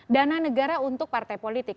dana negara untuk partai politik